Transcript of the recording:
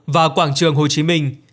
và quảng trường hồ chí minh